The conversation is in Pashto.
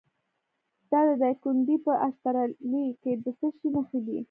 د دایکنډي په اشترلي کې د څه شي نښې دي؟